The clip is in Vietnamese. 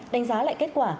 đánh giá lại kết quả